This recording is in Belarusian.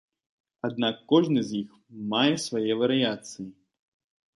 Аднак кожны з іх мае свае варыяцыі.